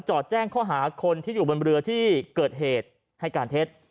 จอดแจ้งข้อหาคนที่อยู่บนเรือที่เกิดเหตุให้การเท็จ